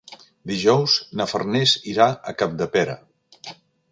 Dijous na Farners irà a Capdepera.